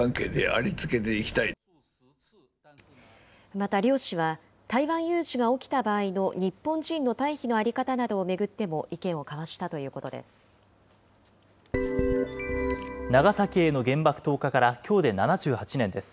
また両氏は、台湾有事が起きた場合の日本人の退避の在り方などを巡っても意見長崎への原爆投下からきょうで７８年です。